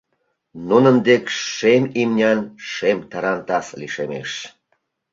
Нунын дек шем имнян шем тарантас лишемеш.